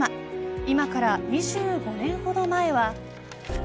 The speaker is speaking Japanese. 今から２５年ほど前は。